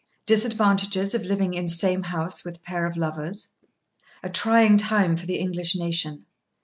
—Disadvantages of living in same house with pair of lovers.—A trying time for the English nation.